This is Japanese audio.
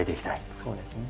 そうですね。